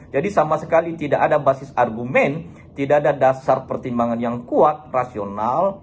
jadi sama sekali tidak ada basis argumen tidak ada dasar pertimbangan yang kuat rasional